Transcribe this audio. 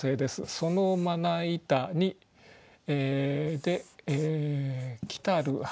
「そのまな板に来たる蠅」。